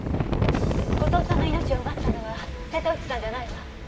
後藤さんの命を奪ったのは瀬戸内さんじゃないわ。